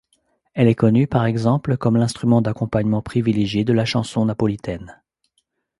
Elle est connue, par exemple, comme l'instrument d'accompagnement privilégié de la chanson napolitaine.